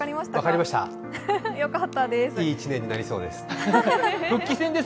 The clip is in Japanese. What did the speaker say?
いい一年になりそうです。